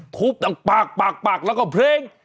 ทุบทั้งปากปากปากแล้วก็เพลง